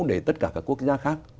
để tất cả các quốc gia khác